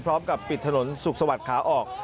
พร้อมกับปิดถนนสุขสวัสดิ์ขาออก